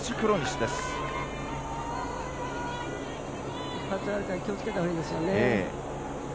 一発あるから気をつけたほうがいいですよね。